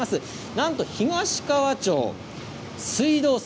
なんと東川町水道水